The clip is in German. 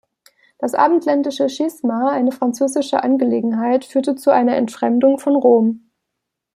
Das Abendländische Schisma, eine französische Angelegenheit, führte zu einer Entfremdung von Rom.